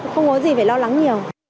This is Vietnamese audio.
không có gì phải lo lắng nhiều